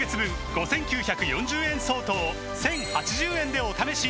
５，９４０円相当を１，０８０円でお試しいただけます